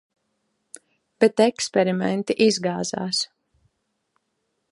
Bet eksperimenti izgāzās.